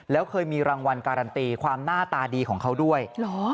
แล้วเคยมีรางวัลการันตีความหน้าตาดีของเขาด้วยเหรอ